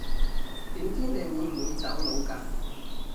點知你會唔會走佬㗎